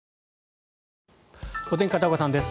お天気、片岡さんです。